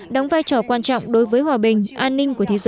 đóng vai trò quan trọng đối với hòa bình an ninh của thế giới